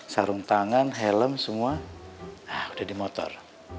sarung tangan helm semua udah di motor